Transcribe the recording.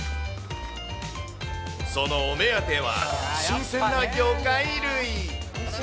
そのお目当ては、新鮮な魚介類。